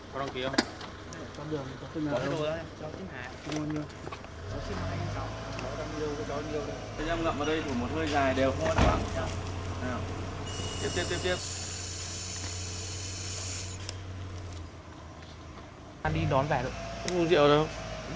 còn đồng ký không